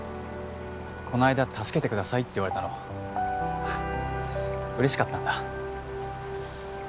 この間助けてくださいって言われたの嬉しかったんだ